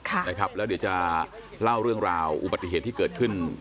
ครับเพราะว่าเดี๋ยวจะเล่าเรื่องราวอุบัติเหตุตอีกค่ะ